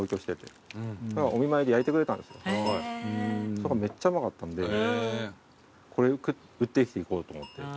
それがめっちゃうまかったんでこれを売って生きていこうと思って。